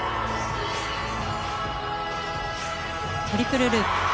トリプルループ。